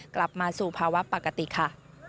กลับมาสู่ภาวะปกติค่ะ